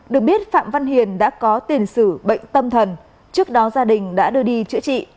được biết phạm văn hiền đã có tiền sử bệnh tâm thần trước đó gia đình đã đưa đi chữa trị